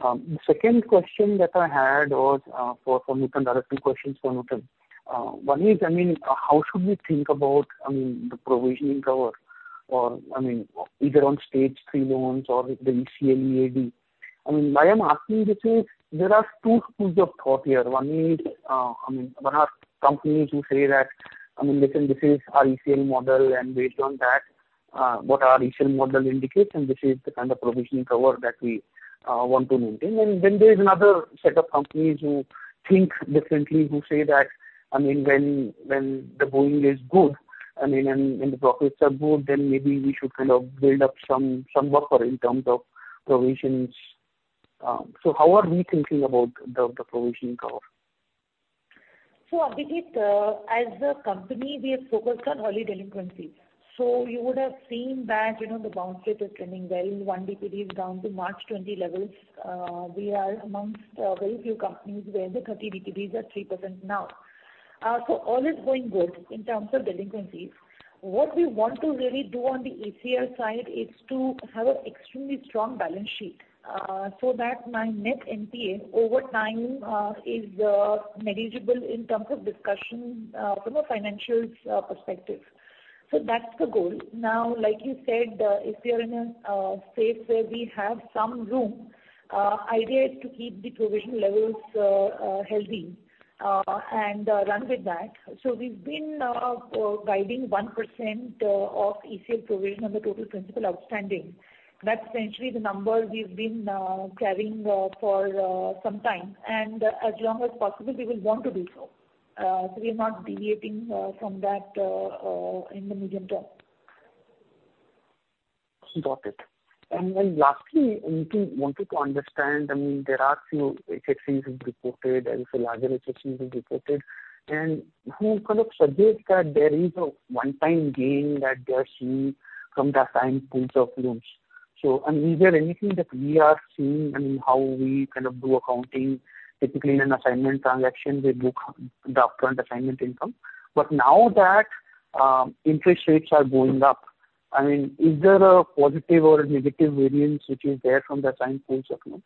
The second question that I had was for Nuten. There are two questions for Nuten. One is, I mean, how should we think about, I mean, the provisioning cover or, I mean, either on Stage Three loans or the ECL. I mean, why I'm asking this is there are two schools of thought here. One is, I mean, one are companies who say that, I mean, listen, this is our ECL model, and based on that, what our ECL model indicates, and this is the kind of provisioning cover that we want to maintain. There is another set of companies who think differently, who say that, I mean, when the going is good and then when the profits are good, then maybe we should kind of build up some buffer in terms of provisions. How are we thinking about the provisioning cover? Abhijeet, as a company, we have focused on early delinquencies. You would have seen that, you know, the bounce rate is trending well. 1 basis point is down to March 20 levels. We are amongst very few companies where the 30 BPDs are 3% now. All is going good in terms of delinquencies. What we want to really do on the ACL side is to have an extremely strong balance sheet, so that my net NPA over time is manageable in terms of discussion from a financials perspective. That's the goal. Like you said, if we are in a space where we have some room, idea is to keep the provision levels healthy and run with that. We've been guiding 1% of ACL provision on the total principal outstanding. That's essentially the number we've been carrying for some time, and as long as possible we will want to do so. We are not deviating from that in the medium term. Got it. Lastly, we keep wanting to understand, I mean, there are few HFCs who've reported and some larger HFCs who've reported, and who kind of suggest that there is a one-time gain that they're seeing from the assigned pools of loans. I mean, is there anything that we are seeing in how we kind of do accounting? Typically, in an assignment transaction, we book the upfront assignment income. Now that interest rates are going up, I mean, is there a positive or a negative variance which is there from the assigned pools of loans?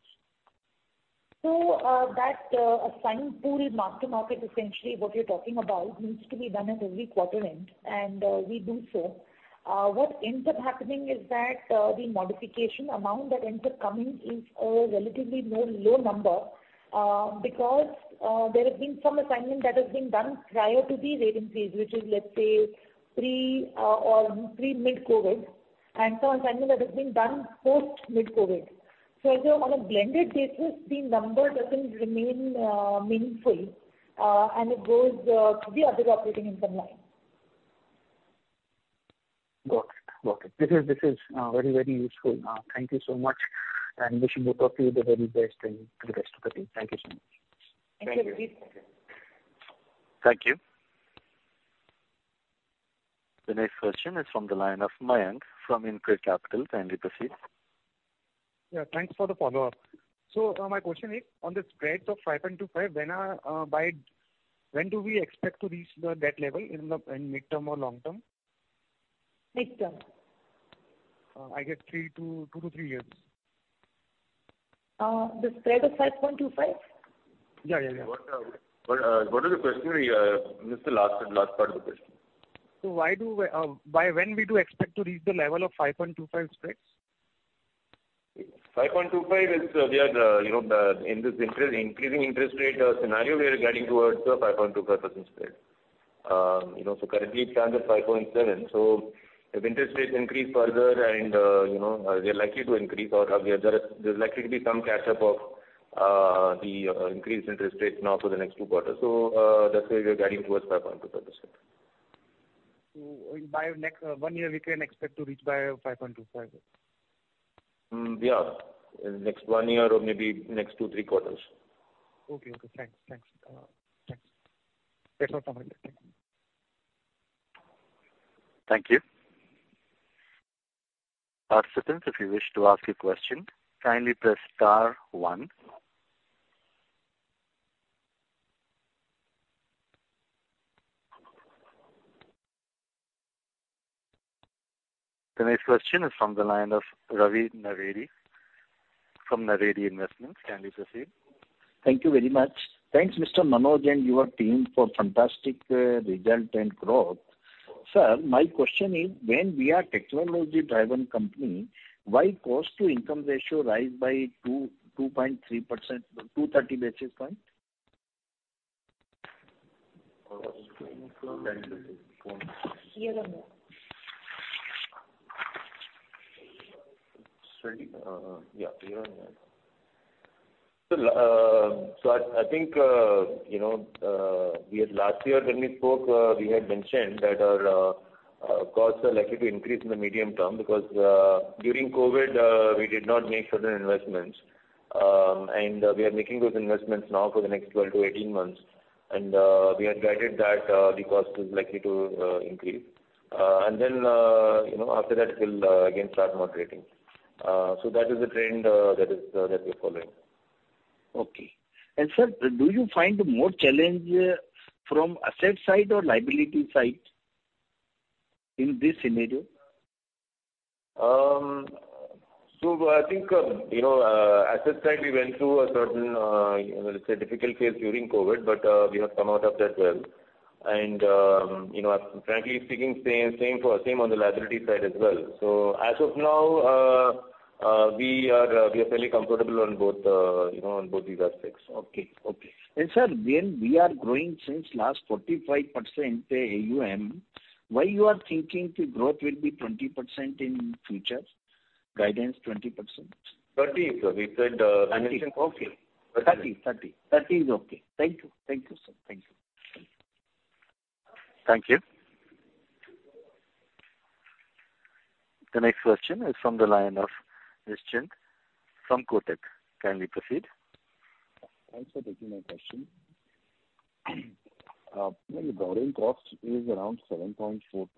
That assigned pool is mark to market, essentially what you're talking about needs to be done at every quarter end, and we do so. The modification amount that ends up coming is a relatively more low number, because there have been some assignment that has been done prior to the rate increase, which is, let's say, pre, or pre mid-COVID, and some assignment that has been done post mid-COVID. On a blended basis, the number doesn't remain meaningful, and it goes to the other operating income line. Got it. This is very, very useful. Thank you so much. Wishing both of you the very best and to the rest of the team. Thank you so much. Thank you, Abhijeet. Thank you. Thank you. The next question is from the line of Mayank from InCred Capital. Kindly proceed. Yeah, thanks for the follow-up. My question is on the spreads of 5.25, when do we expect to reach that level in the mid-term or long term? Mid-term. I guess three to, two to three years. The spread of 5.25%? Yeah, yeah. What is the question? We missed the last part of the question. Why do, by when we do expect to reach the level of 5.25 spreads? 5.25 is, we are, you know, in this interest, increasing interest rate scenario, we are getting towards a 5.25% spread. Currently it stands at 5.7. If interest rates increase further and, you know, they're likely to increase or there's likely to be some catch-up of the increased interest rates now for the next two quarters. That's why we are getting towards 5.25%. By next, one year we can expect to reach by 5.25? Yeah. In next one year or maybe next two, three quarters. Okay. Thanks. That's all from my end. Thank you. Thank you. Participants, if you wish to ask a question, kindly press star one. The next question is from the line of Ravi Naredi from Naredi Investments. Kindly proceed. Thank you very much. Thanks, Mr. Manoj and your team for fantastic result and growth. Sir, my question is, when we are technology-driven company, why cost to income ratio rise by 2.3%, 230 basis points? Here on here. Sorry? Yeah, here on here. I think, you know, we had last year when we spoke, we had mentioned that our costs are likely to increase in the medium term because during COVID, we did not make certain investments. We are making those investments now for the next 12 to 18 months. We had guided that the cost is likely to increase. You know, after that we'll again start moderating. That is the trend that is that we're following. Okay. Sir, do you find more challenge from asset side or liability side in this scenario? I think, you know, asset side we went through a certain, let's say, difficult phase during COVID, but we have come out of that well. You know, frankly speaking, same on the liability side as well. As of now, we are fairly comfortable on both, you know, on both these aspects. Okay. Okay. Sir, when we are growing since last 45% AUM, why you are thinking the growth will be 20% in future? Guidance 20%. 30, sir. We said, 30. Okay. 30. 30 is okay. Thank you. Thank you, sir. Thank you. Thank you. The next question is from the line of Nischint from Kotak. Kindly proceed. Thanks for taking my question. Your borrowing cost is around 7.4%,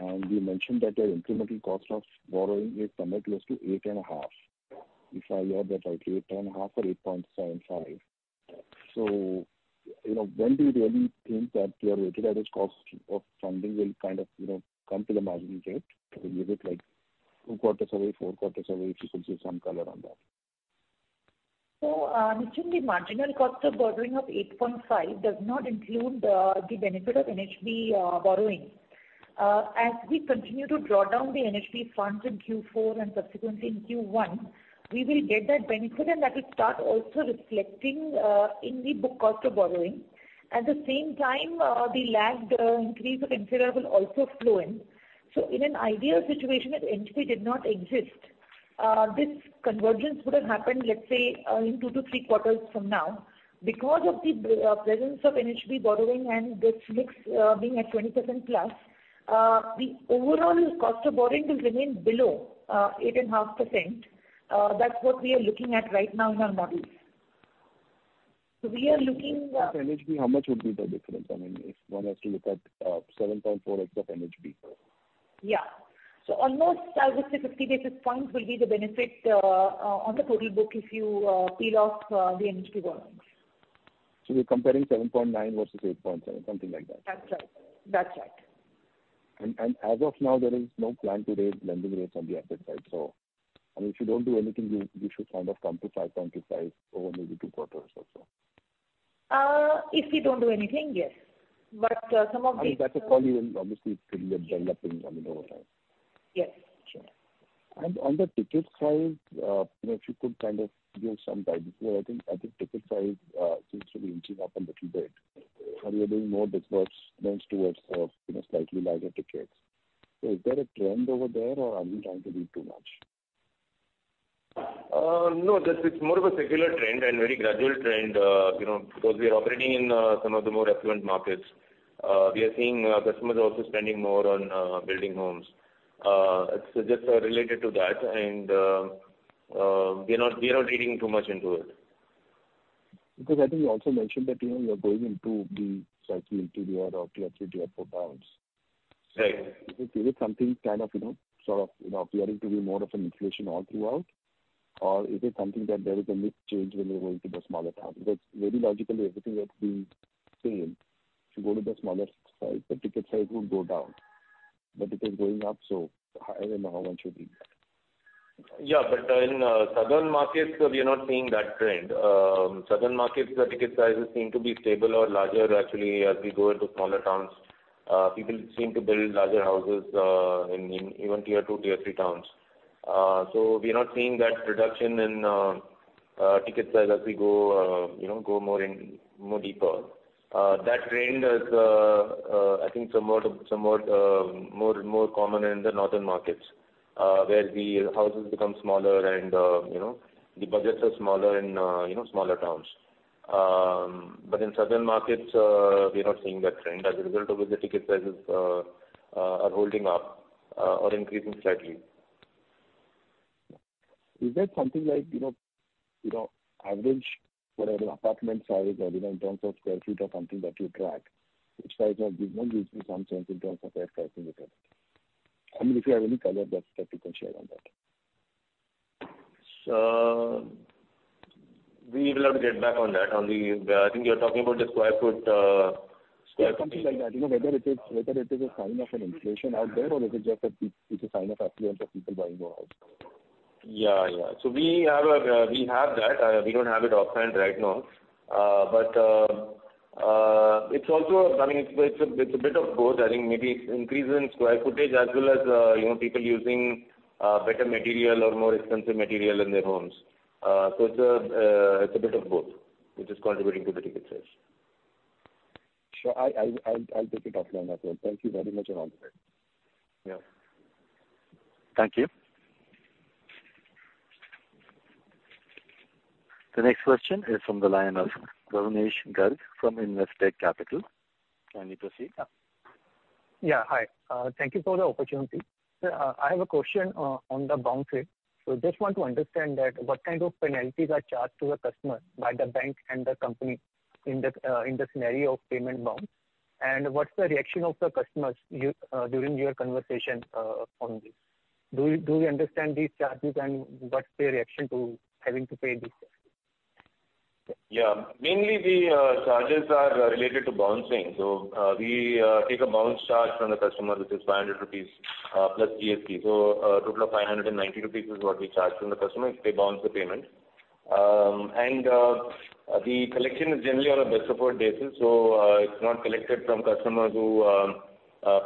and you mentioned that your incremental cost of borrowing is somewhere close to 8.5%. If I heard that right, 8.5% or 8.75%. You know, when do you really think that your weighted average cost of funding will kind of, you know, come to the marginal rate? Is it like two quarters away, four quarters away? If you could give some color on that. Nischint, the marginal cost of borrowing of 8.5 does not include the benefit of NHB borrowing. As we continue to draw down the NHB funds in Q4 and subsequently in Q1, we will get that benefit and that will start also reflecting in the book cost of borrowing. At the same time, the lagged increase of MCLR will also flow in. In an ideal situation if NHB did not exist, this convergence would have happened, let's say, in two to three quarters from now. Because of the presence of NHB borrowing and this mix, being at 20% plus, the overall cost of borrowing will remain below 8.5%. That's what we are looking at right now in our models. We are looking With NHB, how much would be the difference? I mean, if one has to look at 7.4 except NHB. Yeah. Almost I would say 50 basis points will be the benefit on the total book if you peel off the NHB borrowings. We're comparing 7.9 versus 8.7, something like that. That's right. That's right. As of now there is no plan to raise lending rates on the asset side. I mean, if you don't do anything you should kind of come to 5.25% over maybe two quarters or so. if we don't do anything, yes. I mean, that's a call you will obviously still be developing, I mean, over time. Yes. Sure. On the ticket size, you know, if you could kind of give some guidance. I think ticket size seems to be inching up a little bit. Are you doing more discourse then towards, you know, slightly larger tickets? Is there a trend over there or am I trying to read too much? no, that's it's more of a secular trend and very gradual trend, you know, because we are operating in, some of the more affluent markets. We are seeing, customers also spending more on, building homes. It's just, related to that and, we're not reading too much into it. I think you also mentioned that, you know, you're going into the cycle into your tier three or tier four towns. Right. Is it something kind of, you know, sort of, you know, appearing to be more of an inflation all throughout? Or is it something that there is a mix change when you're going to the smaller towns? Very logically everything else being same, if you go to the smaller size, the ticket size would go down. It is going up, so I don't know how much you read that. Yeah. In southern markets we are not seeing that trend. Southern markets, the ticket sizes seem to be stable or larger actually as we go into smaller towns. People seem to build larger houses in even tier two, tier three towns. We are not seeing that reduction in ticket size as we go, you know, go more in, more deeper. That trend is, I think some more, more common in the northern markets, where the houses become smaller and, you know, the budgets are smaller in, you know, smaller towns. In southern markets, we are not seeing that trend. As a result of which the ticket sizes are holding up or increasing slightly. Is that something like, you know, average, whatever apartment size or, you know, in terms of square feet or something that you track which size has given you some sense in terms of their pricing et cetera? I mean if you have any color that you can share on that. We will have to get back on that. On the I think you're talking about the square foot… Something like that. You know, whether it is a sign of an inflation out there or is it just a sign of affluence of people buying more houses. Yeah. Yeah. We have that. We don't have it offhand right now. I mean, it's a bit of both. I think maybe increase in square footage as well as, you know, people using better material or more expensive material in their homes. It's a bit of both which is contributing to the ticket sales. Sure. I'll take it offline as well. Thank you very much and all the best. Yeah. Thank you. The next question is from the line of Bhuvnesh Garg from Investec Capital. Kindly proceed. Yeah. Hi, thank you for the opportunity. I have a question on the bounce rate. Just want to understand that what kind of penalties are charged to a customer by the bank and the company in the scenario of payment bounce, and what's the reaction of the customers during your conversation on this? Do you understand these charges and what's their reaction to having to pay these charges? Yeah. Mainly the charges are related to bouncing. We take a bounce charge from the customer, which is 500 rupees plus GST. A total of 590 rupees is what we charge from the customer if they bounce the payment. The collection is generally on a best effort basis, so it's not collected from customers who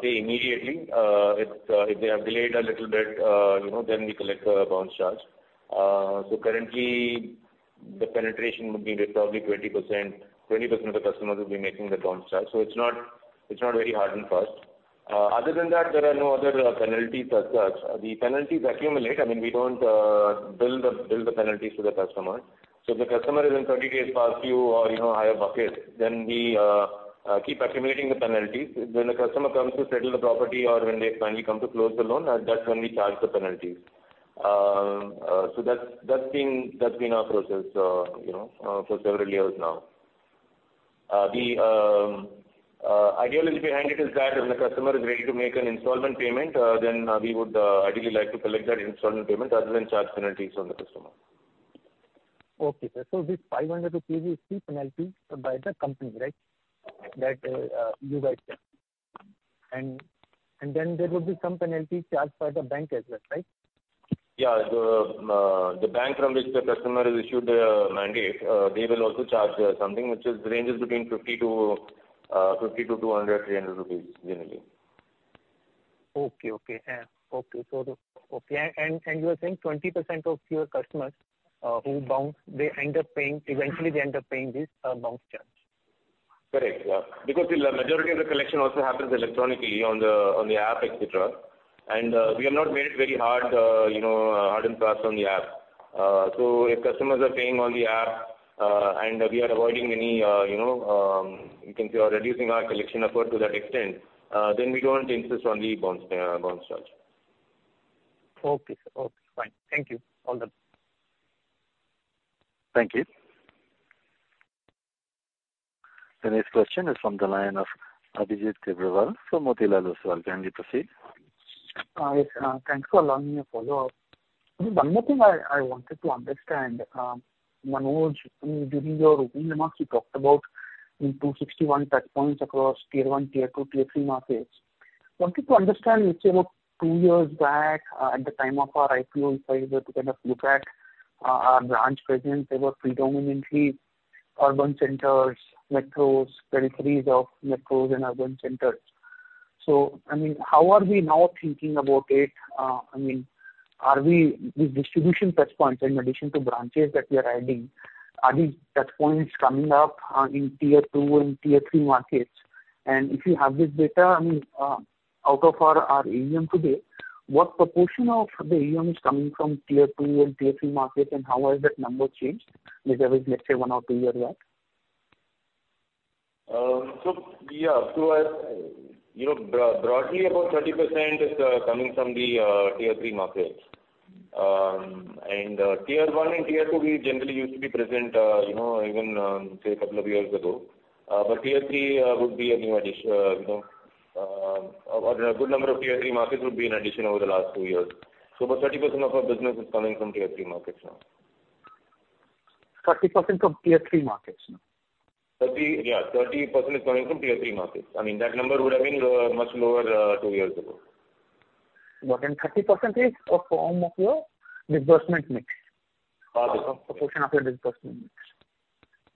pay immediately. It's if they have delayed a little bit, you know, then we collect a bounce charge. Currently the penetration would be with probably 20%. 20% of the customers will be making the bounce charge, so it's not very hard and fast. Other than that, there are no other penalties as such. The penalties accumulate. I mean, we don't bill the penalties to the customer. If the customer is in 30 days past due or, you know, higher buckets, then we keep accumulating the penalties. When the customer comes to settle the property or when they finally come to close the loan, that's when we charge the penalties. That's, that's been, that's been our process, you know, for several years now. The ideally behind it is that when the customer is ready to make an installment payment, then we would ideally like to collect that installment payment rather than charge penalties on the customer. Okay, sir. This 500 rupees is fee penalty by the company, right? That you guys take. Then there would be some penalty charged by the bank as well, right? Yeah. The bank from which the customer has issued a mandate, they will also charge something which is ranges between 50 to 200, 300 rupees generally. Okay. Okay. Yeah. Okay. So, okay. You are saying 20% of your customers who bounce, eventually they end up paying this bounce charge? Correct. Yeah. Because the majority of the collection also happens electronically on the, on the app, et cetera. We have not made it very hard, hard and fast on the app. If customers are paying on the app, and we are avoiding any, you can say we are reducing our collection effort to that extent, then we don't insist on the bounce charge. Okay, sir. Okay, fine. Thank you. All the best. Thank you. The next question is from the line of Abhijit Tibrewal from Motilal Oswal. Kindly proceed. Yes. Thanks for allowing me a follow-up. One more thing I wanted to understand, Manoj, I mean, during your opening remarks, you talked about in 261 touchpoints across tier one, tier two, tier three markets. Wanted to understand let's say about two years back, at the time of our IPO, if I were to kind of look at, our branch presence, they were predominantly urban centers, metros, peripheries of metros and urban centers. I mean, how are we now thinking about it? I mean, are we with distribution touchpoints in addition to branches that we are adding, are these touchpoints coming up, in tier two and tier three markets? If you have this data, I mean, out of our AUM today, what proportion of the AUM is coming from tier 2 and tier 3 markets, and how has that number changed vis-a-vis let's say one or two years back? Yeah. As you know, broadly about 30% is coming from the tier 3 markets. Tier 1 and tier 2 we generally used to be present, you know, even say a couple of years ago. Tier 3 would be a new, you know, or a good number of tier 3 markets would be an addition over the last two years. About 30% of our business is coming from tier 3 markets now. 30% from Tier 3 markets now. 30. 30% is coming from tier three markets. I mean, that number would have been much lower two years ago. 30% is a form of your disbursement mix. Pardon? A proportion of your disbursement mix.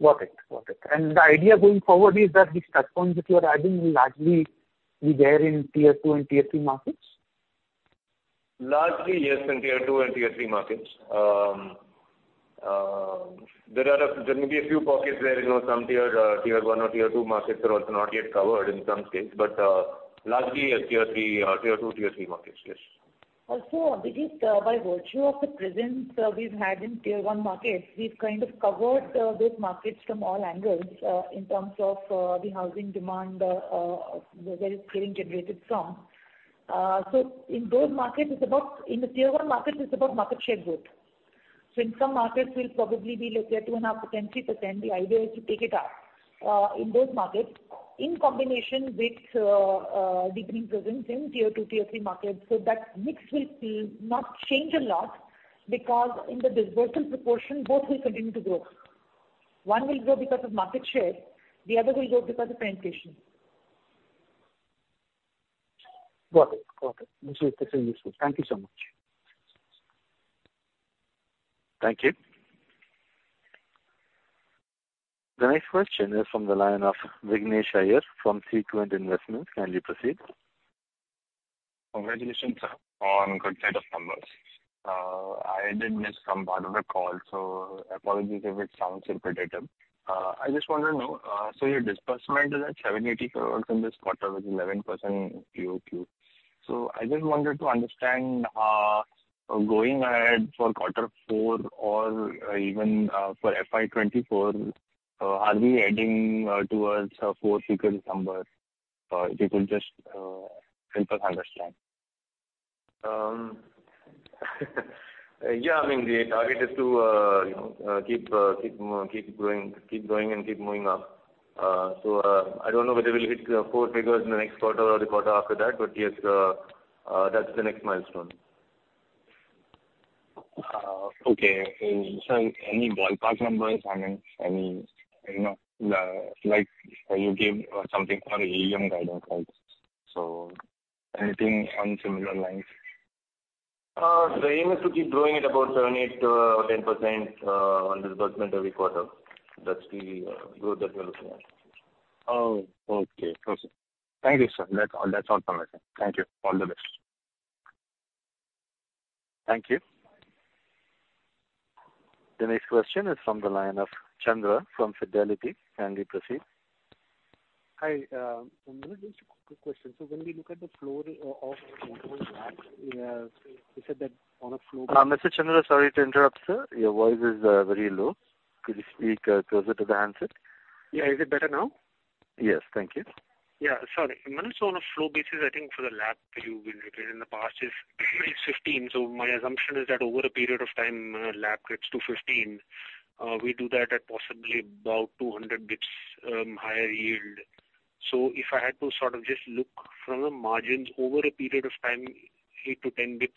Got it. Got it. The idea going forward is that these touchpoints that you are adding will largely be there in tier two and tier three markets? Largely, yes, in tier two and tier three markets. There may be a few pockets where, you know, some tier one or tier two markets are also not yet covered in some states. Largely, yes, tier three, tier two, tier three markets. Yes. Abhijit, by virtue of the presence we've had in tier one markets, we've kind of covered those markets from all angles, in terms of the housing demand where it's being generated from. In those markets it's about, in the tier one markets, it's about market share growth. In some markets we'll probably be let's say 2.5 to 10, 3%. The idea is to take it up in those markets in combination with deepening presence in tier two, tier three markets. That mix will still not change a lot because in the disbursal proportion, both will continue to grow. One will grow because of market share, the other will grow because of penetration. Got it. Got it. This is extremely useful. Thank you so much. Thank you. The next question is from the line of Vignesh Iyer from Sequent Investments. Kindly proceed. Congratulations on good set of numbers. I did miss some part of the call, so apologies if it sounds repetitive. I just want to know, so your disbursement is at 780 crores in this quarter with 11% QOQ. I just wanted to understand, going ahead for quarter four or even for FY 2024, are we heading towards a four-figure number? If you could just help us understand. Yeah, I mean, the target is to, you know, keep growing and keep moving up. I don't know whether we'll hit four figures in the next quarter or the quarter after that, but yes, that's the next milestone. Okay. Any ballpark numbers? I mean, any, you know, like you gave something for AUM guidance, right? Anything on similar lines? The aim is to keep growing at about 7%, 8%, 10% on disbursement every quarter. That's the growth that we are looking at. Oh, okay. Perfect. Thank you, sir. That's all. That's all from my side. Thank you. All the best. Thank you. The next question is from the line of Chandra from Fidelity. Kindly proceed. Hi, I'm going to ask a quick question. When we look at the flow of. Mr. Chandra, sorry to interrupt, sir. Your voice is very low. Could you speak closer to the handset? Yeah. Is it better now? Yes. Thank you. Sorry. Manish, on a flow basis, I think for the LAP you've been repeating in the past is 15. My assumption is that over a period of time, LAP gets to 15, we do that at possibly about 200 basis points higher yield. If I had to sort of just look from the margins over a period of time, 8 to 10 basis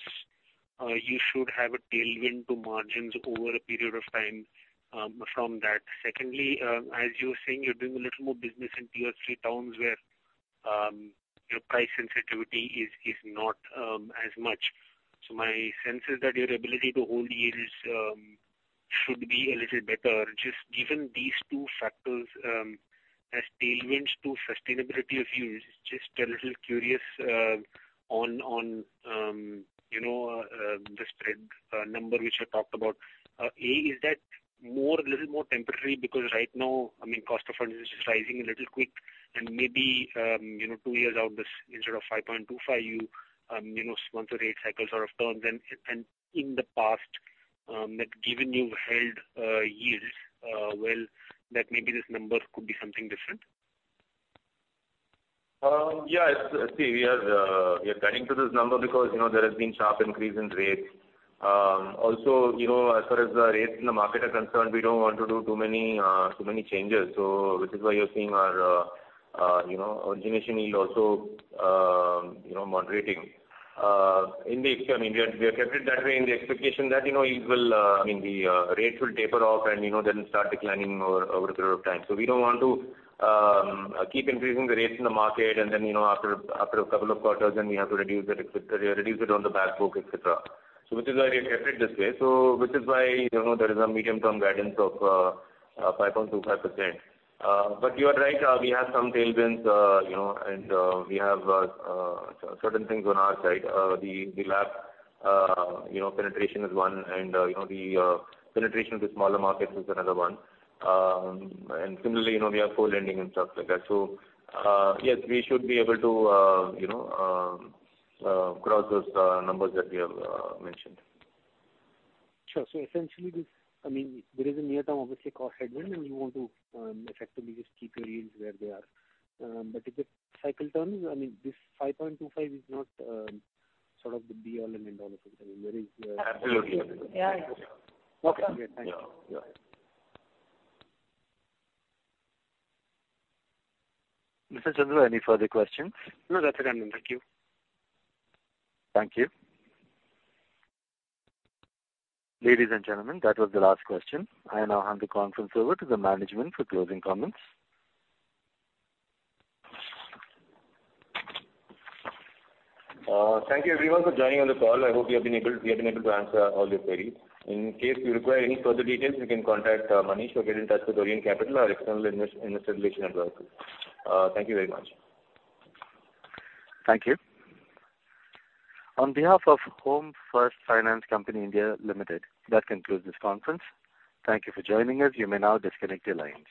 points, you should have a tailwind to margins over a period of time from that. Secondly, as you were saying, you're doing a little more business in Tier 3 towns where your price sensitivity is not as much. My sense is that your ability to hold yields should be a little better. Just given these two factors, as tailwinds to sustainability of yields, just a little curious, on, you know, the spread, number which you talked about. A, is that more, a little more temporary because right now, I mean, cost of funds is just rising a little quick and maybe, you know, two years out this instead of 5.25 you know, once or eight cycles sort of turns and in the past, that given you've held, yields, well that maybe this number could be something different. Yeah. See we are guiding to this number because, you know, there has been sharp increase in rates. Also, you know, as far as the rates in the market are concerned, we don't want to do too many, too many changes. This is why you're seeing our, you know, origination yield also, you know, moderating. In the, I mean, we have, we have kept it that way in the expectation that, you know, it will, I mean, the rates will taper off and, you know, then start declining over a period of time. We don't want to keep increasing the rates in the market and then, you know, after a couple of quarters then we have to reduce it, reduce it on the back book, et cetera. So which is why we have kept it this way. So which is why, you know, there is a medium term guidance of 5.25%. You are right, we have some tailwinds, you know, and we have certain things on our side. The LAP, you know, penetration is one and, you know, the penetration to smaller markets is another one. Similarly, you know, we have co-lending and stuff like that. Yes, we should be able to, you know, cross those numbers that we have mentioned. Sure. Essentially this, I mean, there is a near-term obviously cost headwind and you want to effectively just keep your yields where they are. If the cycle turns, I mean, this 5.25% is not sort of the be all and end all of it. I mean, there is- Absolutely. Yeah. Yeah. Okay. Thank you. Yeah. Yeah. Mr. Chandra, any further questions? No, that's it. Thank you. Thank you. Ladies and gentlemen, that was the last question. I now hand the conference over to the management for closing comments. Thank you everyone for joining on the call. I hope we have been able to answer all your queries. In case you require any further details, you can contact, Manish or get in touch with Orient Capital, our external investor relation advisor. Thank you very much. Thank you. On behalf of Home First Finance Company India Limited, that concludes this conference. Thank you for joining us. You may now disconnect your lines.